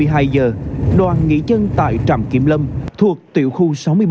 hai mươi hai h đoàn nghỉ dân tại trạm kiểm lâm thuộc tiểu khu sáu mươi bảy